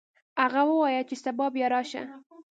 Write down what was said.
هغه وویل چې سبا بیا راشه.